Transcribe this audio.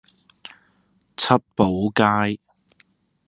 七寶街